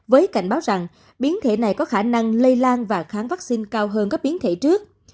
với cảnh báo rằng biến thể này có khả năng lây lan và kháng vaccine cao hơn các biến thể trước